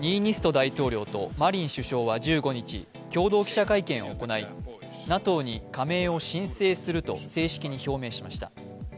大統領とマリン首相は１５日、共同記者会見を行い、ＮＡＴＯに加盟を申請すると正式に表明しました。